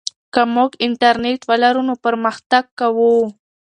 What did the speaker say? که موږ انټرنیټ ولرو نو پرمختګ کوو.